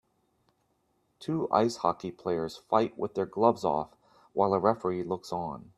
Two ice hockey players fight with their gloves off while a referee looks on.